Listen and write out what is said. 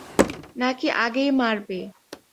না কি আগেই মারবে?